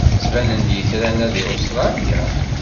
Ttbanen-d yetran-a deg Ustṛalya?